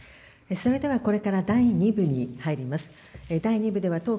それでは、これから第２部に入ります。